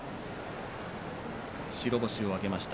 白星を挙げました。